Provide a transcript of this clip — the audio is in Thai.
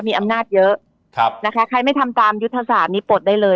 มีอำนาจเยอะนะคะใครไม่ทำตามยุทธศาสตร์นี้ปลดได้เลย